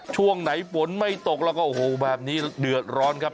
ช่วงไหนฝนไม่ตกแล้วก็โอ้โหแบบนี้เดือดร้อนครับ